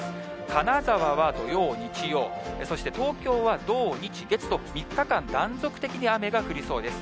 金沢は土曜、日曜、そして東京は土、日、月と３日間断続的に雨が降りそうです。